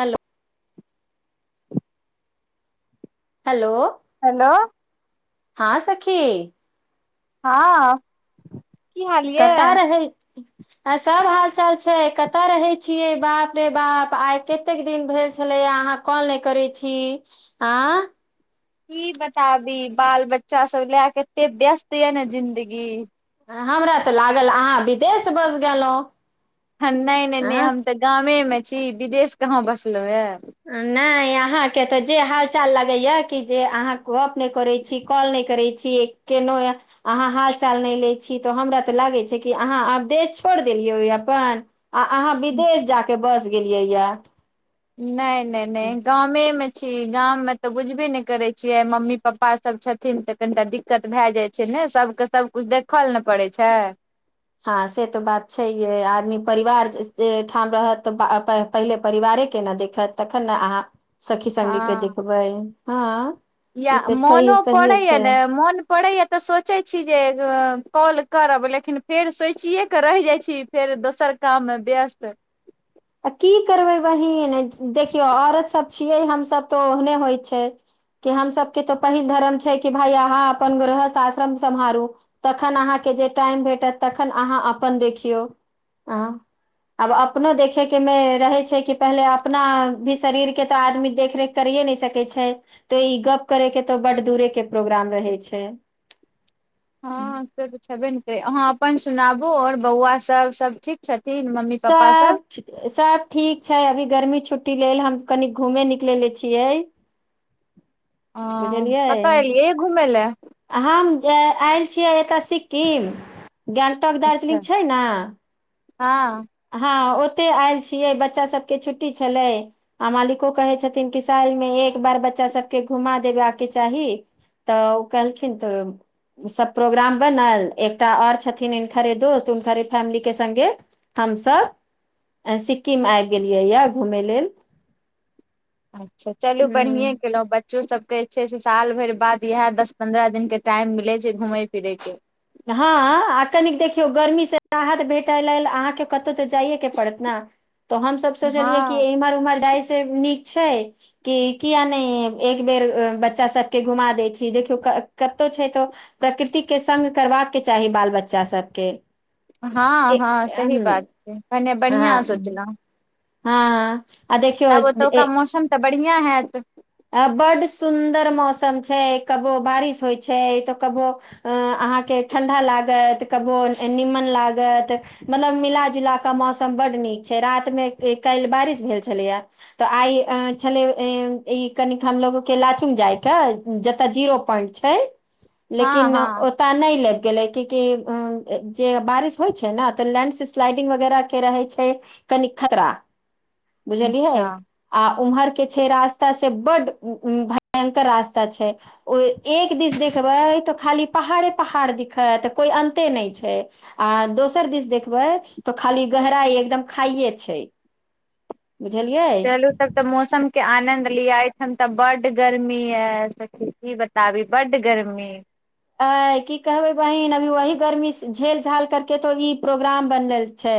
Hello hello hello हँ सखी हँ की हाल ये कतऽ रहै आ सब हाल चाल छै कतऽ रहै छिये बाप रे बाप आइ कते दिन भेल छलैया अहा कॉल नय करै छी आँ की बताबी बाल बच्चा सब ला कते व्यस्त यऽ ने जिन्दगी हमरा तऽ लागल अहाँ विदेश बस गेलौं नय नय नय हम तऽ गामे मे छी विदेश कहाँ बसलौ ए नय अहाँके तऽ जे हाल चाल लगैया कि जे अहाँ गप नय करै छी कॉल नय करै छी केनो य अहाँ हाल चाल नय लै छी तऽ हमरा तऽ लागै छै कि अहाँ आब देश छोइर देलियै अपन आ अहाँ विदेश जाकऽ बस गेलियै यऽ नय नय नय गामे मे छी गाम मे तऽ बुझबे नऽ करै छियै मम्मी पापा सब छथिन तऽ कनिटा दि क्कत भए जाइ छै ने सब कऽ सब कुछ देखल नऽ पड़ै छै हँ से तऽ बात छैहे आदमी परिवार जे ठाम रहत तऽ बा अ - प पहिले परिवारे केँ नऽ देखत तखन नऽ अहाँ सखी संगी केँ हँ देखबै हँ या ई तऽ छै मोनो पड़ै सहिए य छै ने मोन पड़ैय तऽ सोचै छी जे कॉल करब लेकिन फेर सोचिये कऽ रैह जाइ छी फेर दोसर काम मे व्यस्त आ की करबै बहिन देखियौ औरत सब छियै हम सभ तऽ ओहने होइ छै कि हम सभ केँ तो पहिल धरम छै कि भाय अहाँ अपन गृहस्थ आश्रम सम्हारू तखन अहाँकेँ जे टाइम भेटत तखन अहाँ अपन देखियौ आँ अब अपनो देखे केँ मे रहै छै कि पहिले अपना भी शरीर केँ तऽ आदमी देखरेख करियए नय सकै छै तऽ ई गप करे केँ तो बड्ड दूरे केँ प्रोग्राम रहे छै [inaudible] हँ से तऽ छेबे नऽ करै अहाँ अपन सुनाबू आओर बौआ सब सब ठीक छथिन मम्मी पप्पा सब सब ठीक छै अभी गर्मी छुट्टी लेल हम कनि घूमे निकलले छियै बुझलियै ए घुम लऽ हम आयल छियै एतय सिक्किम गेंगटोक अच्छा दार्जिलिंग छै नऽ हँ हँ ओते आयल छियै बच्चा सभ केँ छुट्टी छलै आ मालिको कहे छथिन कि साल मे एक बार बच्चा सब केँ घुमा देबाकेँ चाही तऽ ओ कहलखिन तऽ सभ प्रोग्राम बनल एकटा आओर छथिन हिनकरे दोस्त हुनकरे फैमिली केँ संगे हम सब सिक्किम आइब गेलियै यऽ घुमय लेल अच्छा चलू ह बढ़िए केलहुँ ब च्चो सब केँ छै से साल भैर बाद इहै दस पन्द्रह दिन केँ टाइम मिलै छै घुमय फिरय केँ हँ आ कनिक देखियौ गर्मीसँ राहत भेटय लेल अहाँकेँ कतहु तऽ जाइए केँ पड़त नऽ तऽ हमसभ सोचलियै कि हँ इम्हर उम्हर जाइ से नीक छै कि किया नय एक बेेर बच्चा सभ केँ घुमा दै छी देखियौ क - कतहु छै तऽ प्रकृतिक केँ संग करबाक चाही बाल बच्चा सभ केँ हँ - हँ सही बात छै भने बढ़िया हँ सोचलहुँ हँ आ देखियौ जे ओतुका ए मौसम तऽ बढ़िया हैत आ बड्ड सुन्दर मौसम छै कबो बारिश होइ छै तो कबो अ - अहाँकेँ ठण्ढा लागत कबो नीमन लागत मतलब मिलााजुला कऽ मौसम बड्ड नीक छै रातिमे काइल बारिश भेल छलै यऽ तऽ आइ अ छलै इ ई कनिक हमलोगो केँ लाचुंग जाय कऽ जतऽ जीरो पोआइंट छै हँ लेकिन हँ ओ तऽ नय ले गेलै कि - कि जे बारिश होइ छै नऽ तऽ लैंडस स्लाइडिंग वगैरह केँ रहै छै कनि खतरा बुझलियै अच्छा आ उम्हर केँ छै रास् ता से बड्ड उ भयंकर रास्ता छै ओ एक दिस देखबै तऽ खाली पहाड़े पहाड़ दिखत तऽ कोइ अन्ते नय छै आ दोसर दिस देखबै तऽ खाली गहराई एकदम खाइये छै बुझलियै चलू तब तऽ मौसम केँ आनंद लिय एय ठाम तऽ बड गर्मी यऽ सखी की ब ताबि बड्ड गर्मी तऽ आय की कहबे बहिन अभी वही गर्मी झेल झाल कर केँ तो ई प्रोग्राम बनल छै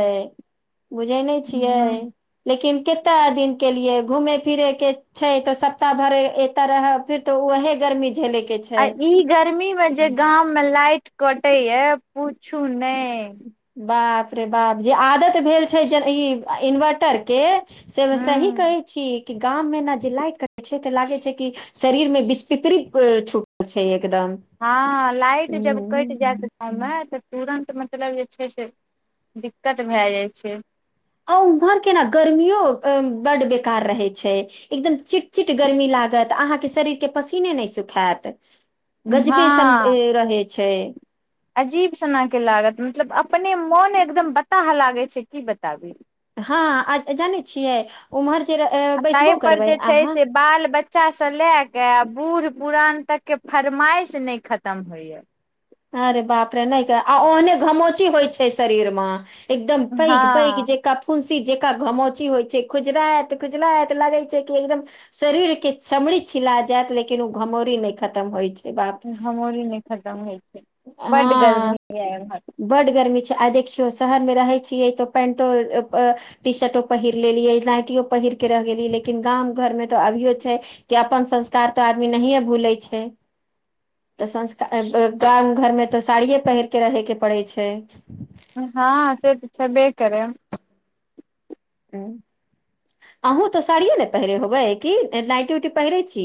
बुझै नय छियै ह लेकिन कते दिन केँ लिए घूमे फिरे केँ छै तऽ सप्ताह भर एतऽ रहब फिर तो उएहे गर्मी झेले केँ छै आ ई गर्मी मे जे गाम मे लाइट कटै य पूछू नय बाप रे बाप जे आदत भेल छै जे ई इन्वर्टर केँ से सही ह कहे छी कि गाम मे नऽ जे लाइट कटै छै तऽ लागै छै कि शरीर मे बिस्फिपरि छूटल छै एकदम हँ लाइट जब कइट हम्म, जैत गाँवमे तऽ तुरन्त मतलब जे छै से दिक्कत भेय जाइ छै आ उऊम्हर केँ नऽ गर्मियो बड्ड बेकार रहै छै एकदम चिटचिट गर्मी लागत अहाँकेँ शरीर केँ पसीने नय सुखैत गजबे सन हँ रहै छै अजीब सनक लागत मतलब अपने मोन एकदम बताह लागै छै की बताबी हँ आ जानै छियै ओम्हर जे आ ताहि बैसबो पर करबै जे छै अहाँ से बाल बच्चाँ लय कऽ आ बूढ़ पुरान तक केँ फरमाइश नइ खतम होइ य अरे बाप रे नय गे आ ओहने घमोची होइ छै शरीर मऽ एकदम पैघ पैघ हँ जेका फुंसी जेका घमोची होइ छै खुजराइत खुजलाइत लगै छै कि एकदम शरीर केँ चमड़ी छिला जैत लेकिन ओ घमौरी नय खतम होइत छै बाप घमोरी नय खतम होइ छै बड्ड गर्मी य एमहर बड्ड गर्मी छै आ देखियो शहर मे रहै छियै तो पेन्टो [unintelligible] टी शर्टो पहिर लेलियै नाइटियो पहिर केँ रह गेलियै लेकिन गाम घरमे तऽ अभियो छै कि अपन संस्कार तऽ आदमी नहिए भूलै छै तऽ संस्कार गाम घरमे तऽ साड़िये पहिर केँ रहय केँ पड़ै छै हँ से तऽ छबे करै आहुँ तऽ साड़िये नऽ पहिरे होबै कि नाइटी उइटी पहिरै छी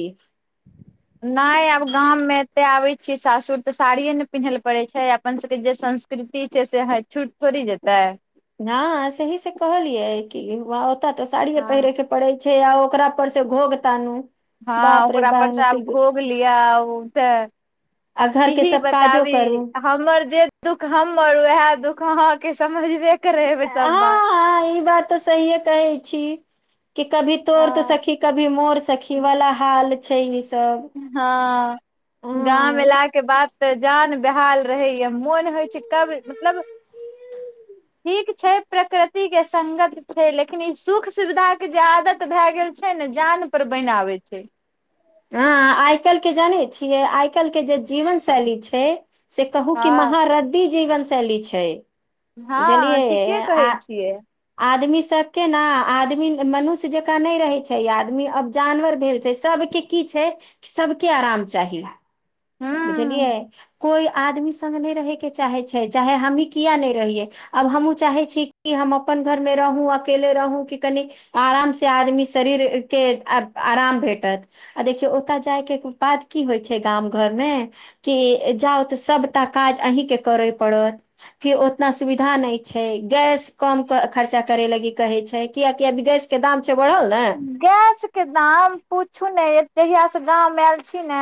नय आब गाममे एते आबै छिये सासुर तऽ साड़िए नऽ पिन्है लऽ पड़ै छै अपन सभके जे संस् कृती छै से है छूट थोड़ी जेतै ना सही से कहलियै कि ओता तऽ साड़ीए पहिरे हँ केँ पड़े छै आ ओकरा पर से घोघ तानू हँ बाप रे ओकरा पर से बाप आब घोग लिअ उ तेँ आ घर के किहि सब काजो बताबी करू अ हमर जे दुःख हमर ओहै दुख अहाँकेँ समझबे करे हेबै सब बात हँ ई बात तऽ सहिए कहै छी कि कभी तोर तऽ हँ सखी क भी मोर सखी वाला हाल छै सब हँ गाम हँ एलाक के बात तऽ जान बेहाल रहैया मोन होइ छै कब मतलब ठीक छै प्रकृति के सगत छै लेकिन ई सुख सुविधा के जे आदत भए गेल छै ने जान पर बना आबै छै हँ आइ काल्हि के जानै छियै आइ काल्हि के जे जीवन शैली छै से कहू कि हँ महहारद्दी जीवन शैली छै हँ बुझलियै ठीके आ कहै छियै आदमी सभ के ने आदमी मनुष्य जकाँ नय रहैत छै आदमी अब जानवर भेल छै सभके की छै सबके आराम चाही हूँ बुझलियै कोइ आदमी सङ्ग नय रहयके चाहै छै चाहे हमही किए नय रहियै आब हमहूँ चाहै छी कि हम अपन घरमे रहूँ अकेले रहू कि कनि आराम से आदमी शरीर के आराम भेटत आ देखियऔ ओतय जाय के बाद की होइ छै गाम घर मे कि जाउ तऽ सभटा काज अहीं के करे पड़त फिर ओतना सुविधा नय छै गैस कम खर्चा करे लागी कहै छै कियकि अभी गैस के दाम छै बढ़ल ने गैस के दाम पूछू ने जहिय से गाँव मे आयल छी ने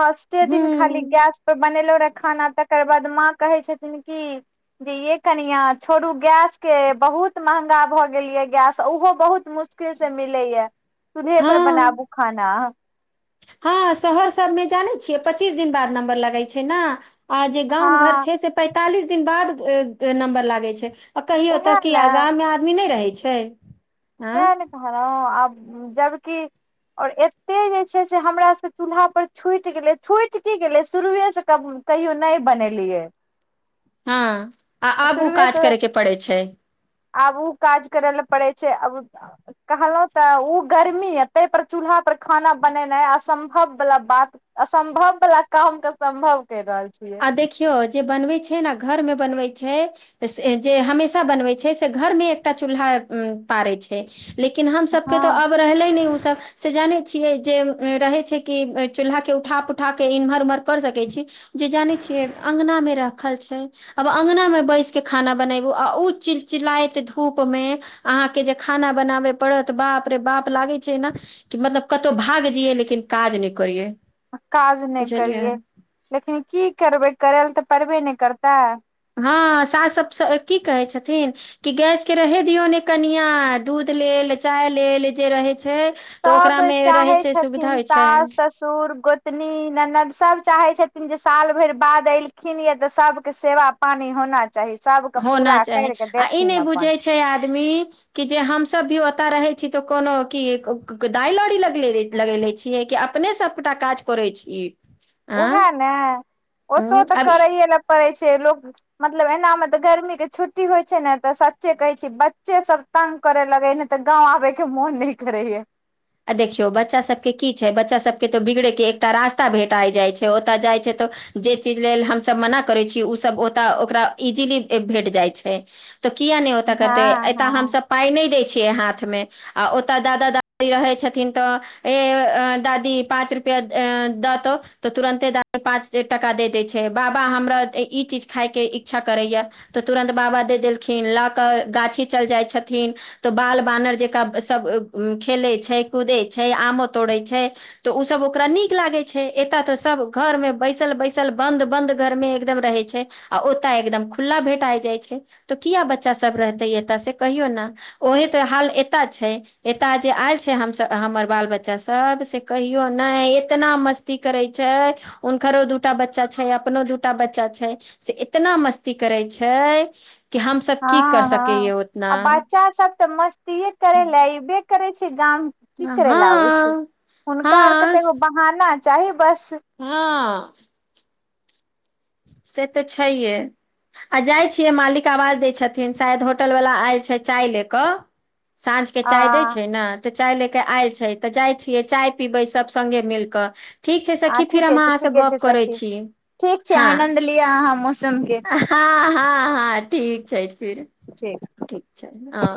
फस के दिन खाली हूँ गैस पे बनेलहु रहे खाना तकर बाद माँ कहे छथिन की जे ये कनिआ छोड़ू गैस के बहुत महगा भऽ गेल यए गैस ओहो बहुत मुश्किल से मिले या चुलहे पर हँ बनाबू खाना हँ शहर सबमे जानै छियै पच्चीस दिन बाद नम्बर लगै छै न आ जे गाम घर हँ छै से पैंतालिस दिन बाद नम्बर लागे छै आ कहियो तऽ उएह ने किया गाम मे आदमी नय रहै छै आँ हँ आब जबकि और एते जे छै से हमरा सब के चूल्हा पर छुटि गेले छुट की गेले शुरुए से कब कहियो नय बनेलियै हँ आब उ शुरुए काज से करयके पड़ैत छै आब आू काज करै ल पड़े छै आ कहलहु तऽ ओ गर्मी य ताहि पर चूल्हा पर खाना बनेनाइ असम्भव वला बात असम्भव बला काम के सम्भव कर रहल छी आ देखियो जे बनबै छै ने घर मे बनबै छै त जे हमेशा बनबैत छै से घर मे एकटा चूल्हा पारैत छै छै लेकिन हम सभ के हँ तऽ आब रहलै नय ओसभ से जानै छियै जे रहै छै कि चूल्हा के उठा प उठा क इमहर उम्हर कर सकै छी जे जानै छियै अँगना मे रखल छै आब अँगना मे बैस कऽ खाना बनैबू आ उ चिल चिलाइत धूप मे अहाँके जे खाना बनाबय पड़त बाप रे बाप लागै छै न कि मतलब कतहु भाग जियै लेकिन काज नय करियै काज नय बुझलियै करियै लेकिन की करबै करय लए तऽ पड़बे ने करतै हँ सास सभसँ की कहै छथिन कि गैस के रहे दियो ने कनिया दूध लेल चाय लेल जे रहै छै तऽ सब ओकरा मे रहै चाहै छै सुविधा छथिन होइ छै सास ससुर गोतनी ननद सभ चाहै छथिन जे साल भरि बाद एलखिन यऽ तऽ सभ के सेवा पानि होना चाही सभ के पूरा कैर कऽ देथिन अपन जीते आदमी कि जे हमसभ भी ओतय रहै छी तऽ कोनो की दाइ लौड़ी लगेेले छियै कि अपने सबगोटा काज करे छीयै उएह ने ओतो उँ, तऽ आब करैए ने पड़ै छै लोक। मतलब एना मे तऽ गर्मी के छुट्टी होइ छै ने तऽ सच्चे कहै छी बच्चे तंग करे लगे न तऽ गांव आबे के मोन न करेयै आ देखियौ बच्चा सबके की छै बच्चा सबके तो बिगड़ेके एकटा रास्ता भेटा जाइ छै ओतय जाइ छै जे चीज लेल हमसभ मना करै छीयै उसभ ओत ओकरा इजिली भेट जाइ छै। तऽ किया नहि ओत करते हँ एताऽ हँ हमसब पाय नहि दय छियै हाथ में आ ओतय दादा रहै छथिन तऽ ए दादी पाँच रुपआ दतौ तऽ तुरन्ते दादी टाका द दै छै बाबा हमरा ई चीज खाइके इच्छा करैए यो तऽ तुरन्त बाबा देऽ देलखिन लऽ कऽ गाछी चल जाइ छथिन। तऽ बाल बानर जेका सब खेलै छै कूदै छै आमो तोड़ै छै तऽ उसभ ओकरा नीक लागै छै एत तऽ सभ घरमे बैसल बैसल बन्द बन्द घरमे एकदम रहै छै आ ओत एकदम खुला भेटाय जाइ छै तऽ किया बच्चा सब रहतै एतय से कहियौ ने ओहे तऽ हाल एत छै एतय जे आयल छै हमसब हमर बाल बच्चा सब से कहियौ नइ एतना मस्ती करै छै हुनकरो दूटा बच्चा छै अपनो दूटा बच्चा छै से इतना मस्ती करै छै। कि हमसब की कर हँ सकैय हँ उतना आ बच्चा सब तऽ मस्तीेये करय लए एबे करै छै गाम। की हँ करे लए आबै छै हँ हुनका आर के तऽ एगो बहाना चाही बस। हँ। से तऽ छै ये आ जाइ छियै मालिक आवाज दै छथिन शायद होटल वला आयल छै चाय लऽ कऽ साँझके आ चाय दै छै न तऽ चाय लेके आयल छै तऽ जाइ छियै चाय पीबै सभ संगे मिल कऽ। ठीक छै हँ सखी फेर ठीके हम छै अहाँ से ठीके गप करै छी हँ लिय अहाँ मौसम के हँ हँ हँ ठीक छै ठीक ठीक छै हँ